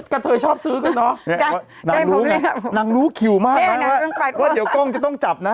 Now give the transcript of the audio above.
ก็เธอชอบซื้อกันเนอะนางรู้ไงนางรู้คิวมากนะว่าเดี๋ยวกล้องจะต้องจับนะ